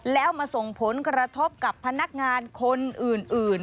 แล้วมาส่งผลกระทบกับพนักงานคนอื่น